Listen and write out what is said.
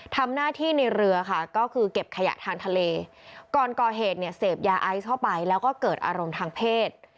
ทำหน้าที่ในเรือค่ะก็คือเก็บขยะทางทะเลก่อนก่อเหตุเนี่ยเสพยาไอซ์เข้าไปแล้วก็เกิดอารมณ์ทางเพศ